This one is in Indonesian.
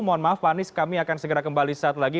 mohon maaf pak anies kami akan segera kembali saat lagi